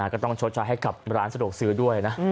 ก็ต้องชดใช้ให้กับร้านสะดวกซื้อด้วยนะ